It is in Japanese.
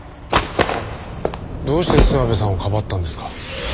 どうして諏訪部さんをかばったんですか？